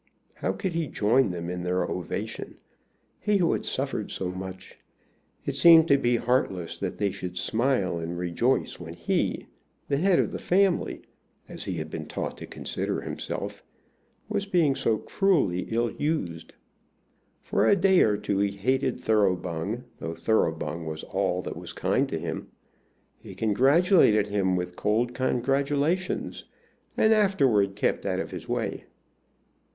How could he join them in their ovation, he who had suffered so much? It seemed to be heartless that they should smile and rejoice when he, the head of the family, as he had been taught to consider himself, was being so cruelly ill used. For a day or two he hated Thoroughbung, though Thoroughbung was all that was kind to him. He congratulated him with cold congratulations, and afterward kept out of his way.